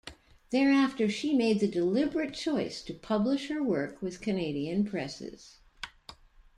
Thereafter she made the deliberate choice to publish her work with Canadian presses.